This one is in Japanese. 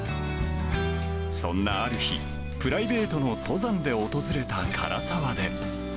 そんなある日、プライベートの登山で訪れた涸沢で。